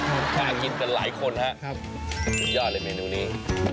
บิดยอดเลยเมนูนี้